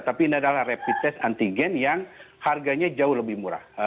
tapi ini adalah rapid test antigen yang harganya jauh lebih murah